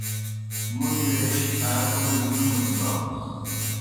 موْ مِرِیش آ کوْمِجیْ نہ مُچبامَس۔